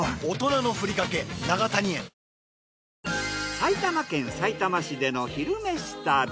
埼玉県さいたま市での「昼めし旅」。